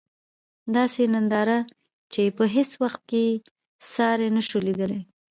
داسې ننداره چې په هیڅ وخت کې یې ساری نشو لېدلی.